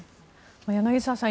柳澤さん